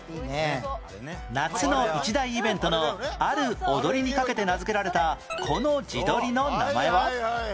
夏の一大イベントのある踊りにかけて名付けられたこの地鶏の名前は？